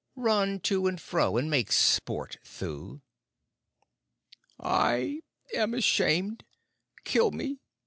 Run to and fro and make sport, Thuu!" "I am ashamed. Kill me!"